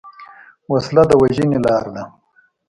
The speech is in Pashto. وسله د وژنې لاره ده